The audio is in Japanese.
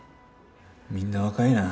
みんな若いな。